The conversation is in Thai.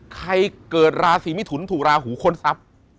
เกิดราศีมิถุนถูกราหูค้นทรัพย์